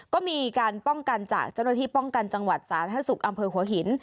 ก็มีการป้องกันจากจังหวัดสาธารณสุขอำเภอหัวหิน